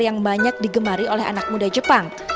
yang banyak digemari oleh anak muda jepang